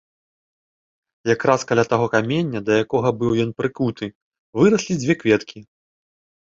Якраз каля таго каменя, да якога быў ён прыкуты, выраслі дзве кветкі.